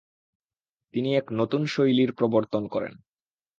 তিনি এক নতুন শৈলীর প্রবর্তন করেন।